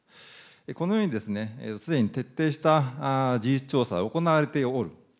このようにですね、すでに徹底した事実調査、行われておる。